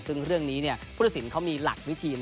ซึ่งเรื่องนี้ผู้ตัดสินเขามีหลักวิธี